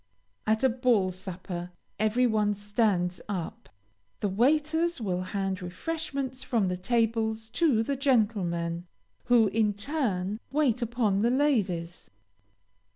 At a ball supper every one stands up. The waiters will hand refreshment from the tables to the gentlemen, who, in turn, wait upon the ladies.